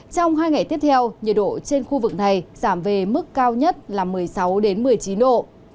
trong hai ngày tiếp theo nhiệt độ trên khu vực này giảm về mức cao nhất là một mươi sáu một mươi chín độ